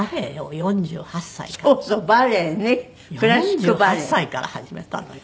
４８歳から始めたのよ。